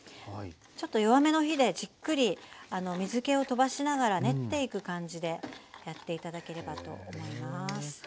ちょっと弱めの火でじっくり水けを飛ばしながら練っていく感じでやって頂ければと思います。